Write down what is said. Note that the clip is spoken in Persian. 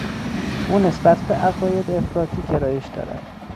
او نسبت به عقاید افراطی گرایش دارد.